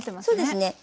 そうですね。